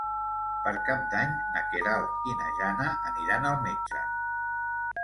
Per Cap d'Any na Queralt i na Jana aniran al metge.